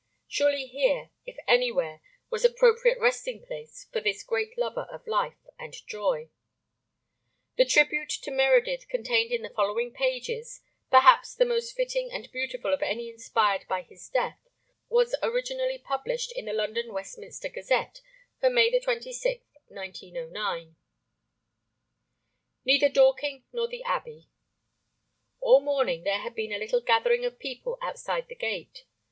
Surely here, if anywhere, was appropriate resting place for this great lover of life and joy. The tribute to Meredith contained in the following pages, perhaps the most fitting and beautiful of any inspired by his death, was originally published in the London "Westminster Gazette" for May 26, 1909. [Pg 7] NEITHER DORKINGNOR THE ABBEY All morning there had been a little gathering of people outside the gate.